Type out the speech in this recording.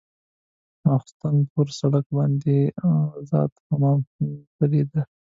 ماخستن به پر سړک باندې ازدحام ډېرېده.